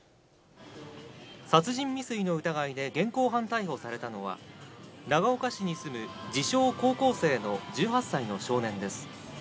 殺人未遂の疑いで現行犯逮捕されたのは、長岡市に住む自称高校生の１８歳の少年です。